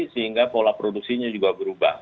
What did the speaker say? sehingga pola produksinya juga berubah